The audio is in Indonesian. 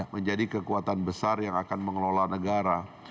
menjadi kekuatan besar yang akan mengelola negara